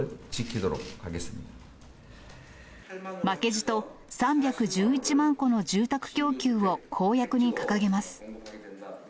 負けじと、３１１万戸の住宅供給を公約に掲げます。